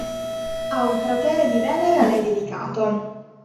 Ha un cratere di Venere a lei dedicato.